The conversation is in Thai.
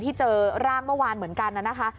เจอร่างเมื่อวานเหมือนกันนะคะ